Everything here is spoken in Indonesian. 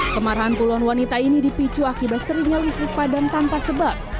kemarahan puluhan wanita ini dipicu akibat seringnya listrik padam tanpa sebab